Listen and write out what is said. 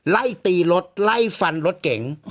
ไล่ตีรถไล่ฟันรถเก๋ง